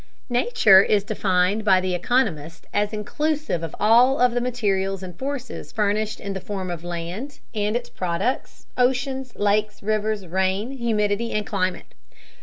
Nature is defined by the economist as inclusive of all of the materials and forces furnished in the form of land and its products, oceans, lakes, rivers, rain, humidity, and climate.